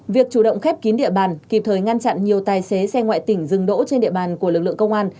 việc chủ động khép kín địa bàn kịp thời ngăn chặn nhiều tài xế xe ngoại tỉnh dừng đỗ trên địa bàn của lực lượng công an